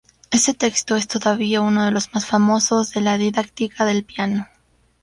Ese texto es todavía uno de los más famosos de la didáctica del piano.